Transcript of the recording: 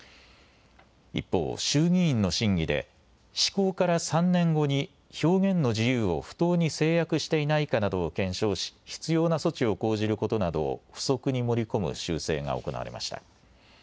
一方、衆議院の審議で、施行から３年後に表現の自由を不当に制約していないかなどを検証し、必要な措置を講じることなどを付則に盛り込む修正が行われました。